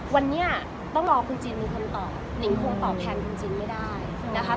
วันนี้ต้องรอคุณจีนมีคำตอบหนิงคงตอบแทนคุณจีนไม่ได้นะคะ